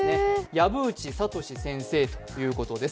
藪内佐斗司先生ということです。